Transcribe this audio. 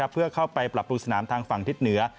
เพื่อเข้าไปปรับปรุงสนามทางฝั่งทิศเหนือ